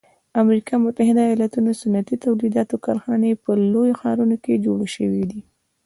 د امریکي متحده ایلاتو صنعتي تولیداتو کارخانې په لویو ښارونو کې جوړې شوي دي.